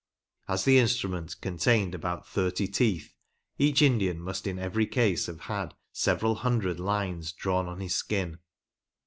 As the instrument contained about thirty teeth, each Indian must in every case have had several hundred lines drawn on his skin.